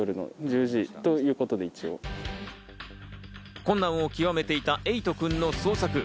困難を極めていたエイトくんの捜索。